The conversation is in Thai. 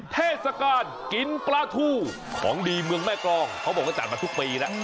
เทศกาลกินปลาทูของดีเมืองแม่กรองเขาบอกว่าจัดมาทุกปีแล้ว